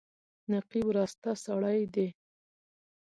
نقيب راسته سړی دی.